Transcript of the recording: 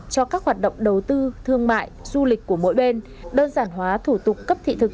cho các hoạt động đầu tư thương mại du lịch của mỗi bên đơn giản hóa thủ tục cấp thị thực